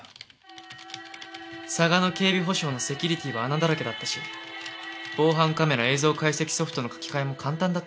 サガノ警備保障のセキュリティーは穴だらけだったし防犯カメラ映像解析ソフトの書き換えも簡単だったから。